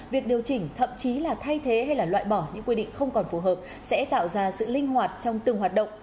việc điều chỉnh thậm chí là thay thế hay loại bỏ những quy định không còn phù hợp sẽ tạo ra sự linh hoạt trong từng hoạt động